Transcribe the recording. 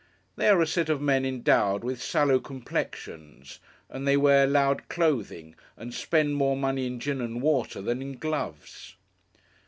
They are a set of men endowed with sallow complexions, and they wear loud clothing, and spend more money in gin and water than in gloves.